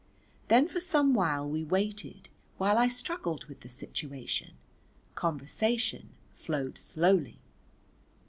Then for some while we waited while I struggled with the situation; conversation flowed slowly.